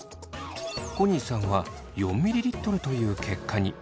コニーさんは４ｍｌという結果に。